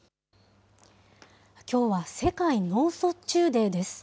きょうは世界脳卒中デーです。